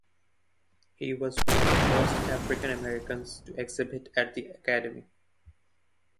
He was one of the first African Americans to exhibit at the Academy.